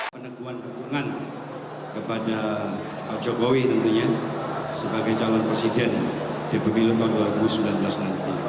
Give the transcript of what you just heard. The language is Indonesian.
peneguan dukungan kepada pak jokowi tentunya sebagai calon presiden di pemilu tahun dua ribu sembilan belas nanti